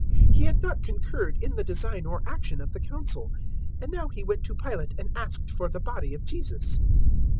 He had not concurred in the design or action of the Council, 023:052 and now he went to Pilate and asked for the body of Jesus.